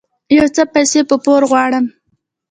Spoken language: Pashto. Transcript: يو څه پيسې په پور غواړم